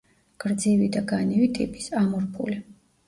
გრძივი და განივი ტიპის, ამორფული.